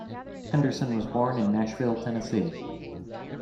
Henderson was born in Nashville, Tennessee.